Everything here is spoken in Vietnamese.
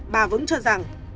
bà vững cho rằng